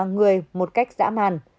người một cách dã man